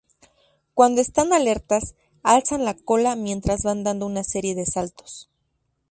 Cuando están alertas, alzan la cola mientras van dando una serie de saltos.